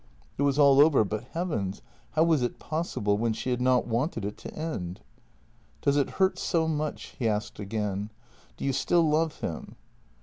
It was all over, but, heavens! how was it possible, when she had not w r anted it to end? "Does it hurt so much?" he asked again. "Do you still love him?